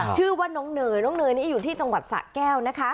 ชื่อว่าน้องเนยน้องเนยนี่อยู่ที่จังหวัดสะแก้วนะคะ